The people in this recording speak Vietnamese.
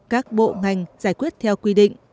các bộ ngành giải quyết theo quy định